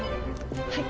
はい。